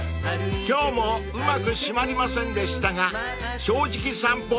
［今日もうまく締まりませんでしたが『正直さんぽ』